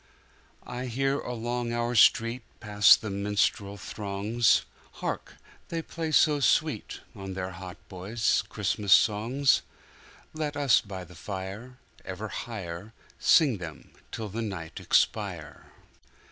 I hear along our street Pass the minstrel throngs; Hark! they play so sweet, On their hautboys, Christmas Songs! Let us by the fire Ever higherSing them till the night expire!